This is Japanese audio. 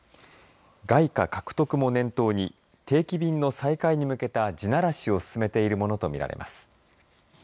外貨獲得も念頭に定期便の再開に向けた地ならしを進めているものと見られます。